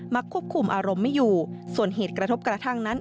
ควบคุมอารมณ์ไม่อยู่ส่วนเหตุกระทบกระทั่งนั้น